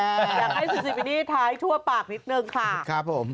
อยากให้ซูซิบินี่ท้ายทั่วปากนิดนึงค่ะครับผม